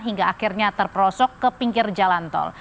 hingga akhirnya terperosok ke pinggir jalan tol